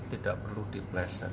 tidak perlu dipeleset